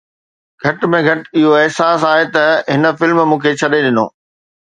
گهٽ ۾ گهٽ اهو احساس آهي ته هن فلم مون کي ڇڏي ڏنو